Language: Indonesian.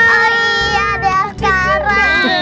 oh iya adik askara